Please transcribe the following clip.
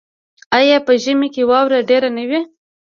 آیا په ژمي کې واوره ډیره نه وي؟